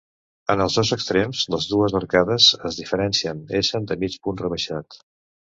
En els dos extrems, les dues arcades es diferencien essent de mig punt rebaixat.